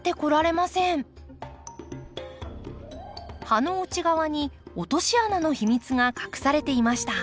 葉の内側に落とし穴の秘密が隠されていました。